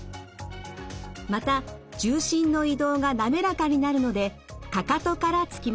また重心の移動が滑らかになるのでかかとからつきましょう。